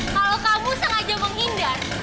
kalau kamu sengaja menghindar